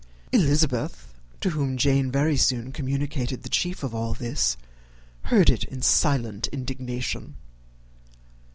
Elizabeth, to whom Jane very soon communicated the chief of all this, heard it in silent indignation.